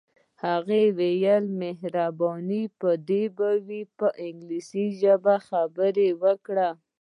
هغه وویل مهرباني به دې وي که په انګلیسي خبرې وکړې.